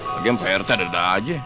bagi pak arte ada ada aja